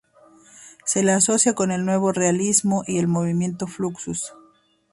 Se le asocia con el Nuevo realismo y con el movimiento Fluxus.